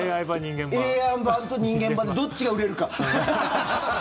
ＡＩ版と人間版どっちが売れるか。